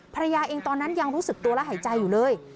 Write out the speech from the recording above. ภรรยาเองตอนนั้นยังรู้สึกตัวและหายใจอยู่เลย